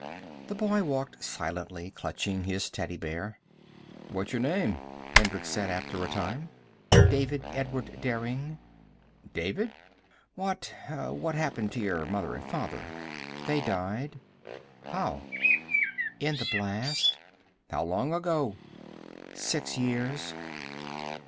The boy walked silently, clutching his teddy bear. "What's your name?" Hendricks said, after a time. "David Edward Derring." "David? What what happened to your mother and father?" "They died." "How?" "In the blast." "How long ago?" "Six years."